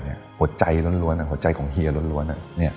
หัวใจล้วนหัวใจของเฮียล้วน